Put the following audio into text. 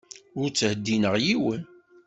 Ur ttheddineɣ yiwen.